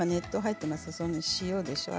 塩でしょう。